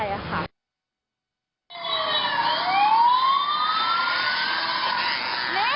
นี่มันจริงมาแล้ว